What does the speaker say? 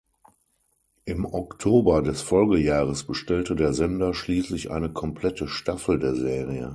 Im Oktober des Folgejahres bestellte der Sender schließlich eine komplette Staffel der Serie.